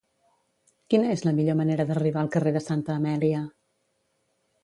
Quina és la millor manera d'arribar al carrer de Santa Amèlia?